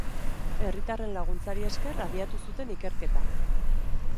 Herritarren laguntzari esker abiatu zuten ikerketa.